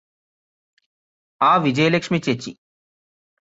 ആ വിജയലക്ഷ്മി ചേച്ചി